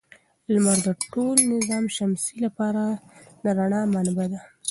لمر د ټول نظام شمسي لپاره د رڼا منبع ده.